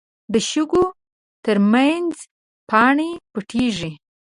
د شګو تر منځ پاڼې پټېږي